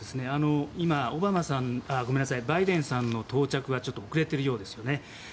今、バイデンさんの到着が遅れているようですよね。